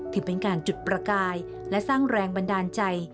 ถือเป็นการจุดประกายและสร้างแรงบันดาลใจ